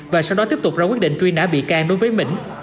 và sau đó tiếp tục ra quyết định truy nã bị can đối với mỹ